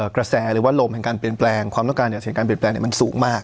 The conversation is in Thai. กระแสหรือว่าลมแห่งการเปลี่ยนแปลงความต้องการเสียงการเปลี่ยนแปลงมันสูงมาก